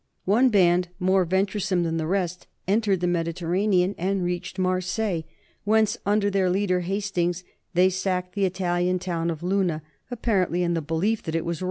One band more venture some than the rest, entered the Mediterranean and reached Marseilles, whence under their leader Hastings they sacked the Italian town of Luna, apparently in the belief that it was Rome.